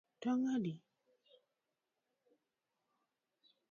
Tong adi?